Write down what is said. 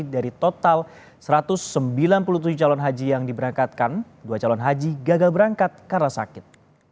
dari total satu ratus sembilan puluh tujuh calon haji yang diberangkatkan dua calon haji gagal berangkat karena sakit